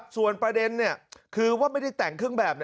ส่วนประเด็นคือว่าไม่ได้แต่งเครื่องแบบนะ